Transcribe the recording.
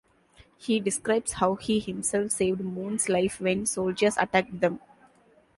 He describes how he himself saved Moon's life when soldiers attacked them.